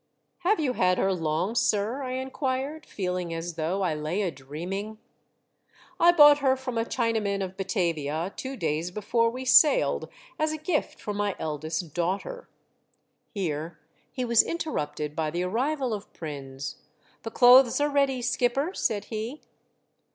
" Have you had her long, sir .^" I inquired, feeling as though I lay a dreaming. " I bousfht her from a Chinaman of WY ZVN AL VERDOMD. 97 Batavia two clays before we sailed as a gift for my eldest daughter " Here he was interrupted by the arrival of Prins. "The clothes are ready, skipper, said he.